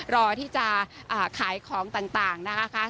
รอที่จะขายของต่างนะคะ